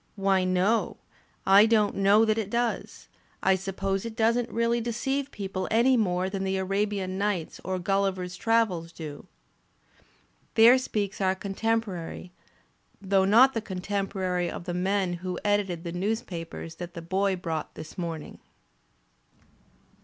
Why, no, I don't know that it does. I suppose it doesn't really deceive people any more than the * Arabian Nights' or * Gulliver's Travels' do." There speaks our contemporary, though not the contemporary of the men who edited the newspapers that the boy brought this morning.